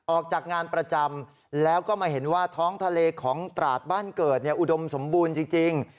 ออกจากงานประจำแล้วก็มาเห็นว่าท้องทะเลของตราดบ้านเกิดอุดมสมบูรณ์จริง